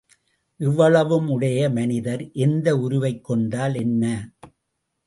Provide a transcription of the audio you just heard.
இவ்வளவுமுடைய மனிதர் எந்த உருவைக் கொண்டால் என்ன?